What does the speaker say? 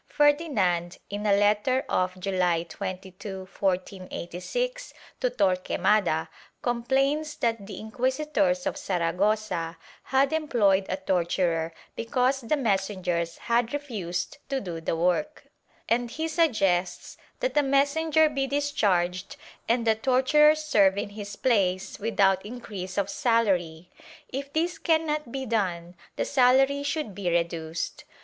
Ferdinand, in a letter of July 22, 1486, to Torquemada, complains that the inquisitors of Saragossa had employed a torturer because the messengers had refused to do the work, and he suggests that a messenger be discharged and the torturer serve in his place without increase of salary; if this cannot be done the salary should be reduced.